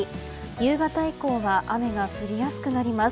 夕方以降は雨が降りやすくなります。